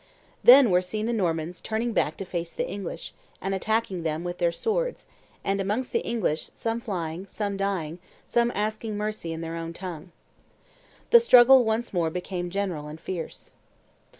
Then were seen the Normans turning back to face the English, and attacking them with their swords, and amongst the English, some flying, some dying, some asking mercy in their own tongue." The struggle once more became general and fierce.